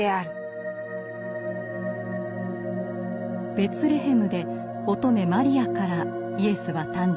ベツレヘムで乙女マリアからイエスは誕生します。